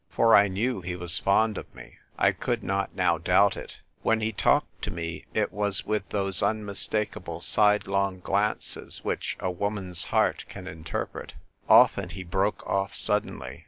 For I knew he was fond of me. I could not now doubt it. When he talked to me, it was with those unmistakable sidelong glances which a woman's heart can interpret. Often he broke off suddenly.